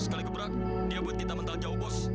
sekali keberan dia buat kita mental jauh boss